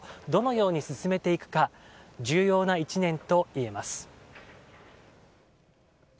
どのように進めていくか重要な１年といえます。